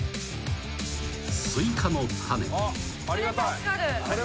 ［スイカの種］